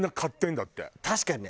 確かにね